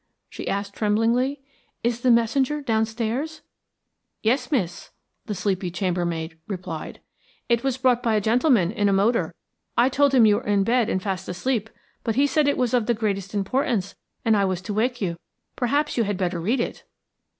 she asked tremblingly. "Is the messenger downstairs?" "Yes, miss," the sleepy chambermaid replied. "It was brought by a gentleman in a motor. I told him you were in bed and fast asleep, but he said it was of the greatest importance and I was to wake you. Perhaps you had better read it."